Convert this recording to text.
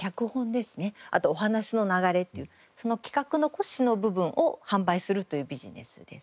あとお話の流れっていうその企画の骨子の部分を販売するというビジネスです。